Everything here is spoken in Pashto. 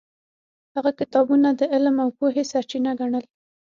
هغه کتابونه د علم او پوهې سرچینه ګڼل.